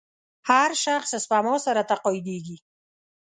هر شخص سپما سره تقاعدېږي.